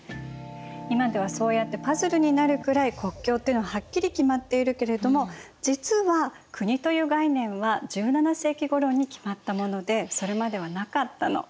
今ではそうやってパズルになるくらい国境っていうのがはっきり決まっているけれども実は国という概念は１７世紀ごろに決まったものでそれまではなかったの。